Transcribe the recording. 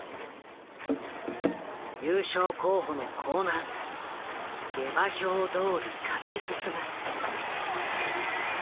優勝候補の興南下馬評どおり勝ち進む。